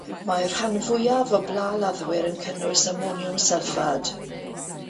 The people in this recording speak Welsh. Mae'r rhan fwyaf o blaladdwyr yn cynnwys amoniwm sylffad.